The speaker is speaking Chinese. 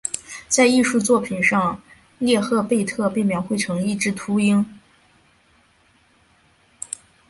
在艺术作品上涅赫贝特被描绘成一只秃鹰。